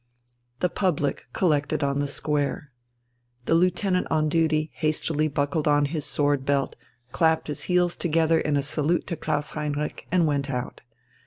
The public collected on the square. The lieutenant on duty hastily buckled on his sword belt, clapped his heels together in a salute to Klaus Heinrich and went out.